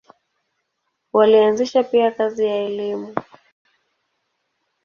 Walianzisha pia kazi ya elimu.